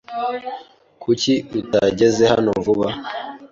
Kuki utageze hano vuba?